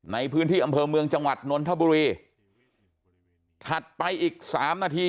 ในพื้นที่อำเภอเมืองจังหวัดนนทบุรีถัดไปอีกสามนาที